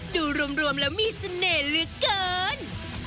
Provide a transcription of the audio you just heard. ดูรวมแล้วมีเสน่ห์เหลือเกิน